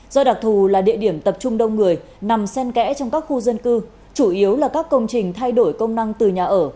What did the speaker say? do đặc thù là địa điểm tập trung đông người nằm sen kẽ trong các khu dân cư chủ yếu là các công trình thay đổi công năng từ nhà ở